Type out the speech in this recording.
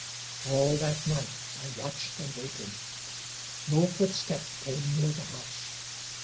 All that night I watched and waited. No footstep came near the house.